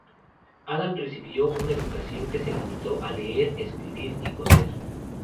Adam recibió una educación que se limitó a leer, escribir y coser.